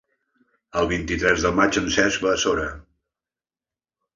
El vint-i-tres de maig en Cesc va a Sora.